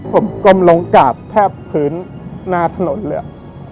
ผมกลมลงกราบแทบพื้นหน้าถนนเลย